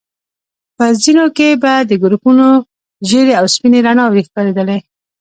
په ځينو کې به د ګروپونو ژيړې او سپينې رڼاوي ښکارېدلې.